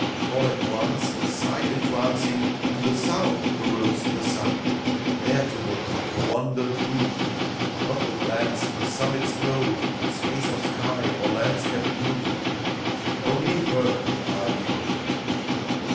All at once, a sight entrancing, In the South arose the sun. ACT HI. 159 There to look, the Wonder drew me : Not the glens, the summits cold, Space of sky ,or landscape gloomy, — Only Her did I behold.